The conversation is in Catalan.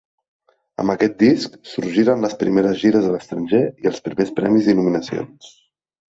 Amb aquest disc sorgiren les primeres gires a l'estranger i els primers premis i nominacions.